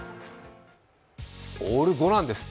オール５なんですって。